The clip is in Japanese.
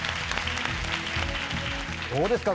どうですか？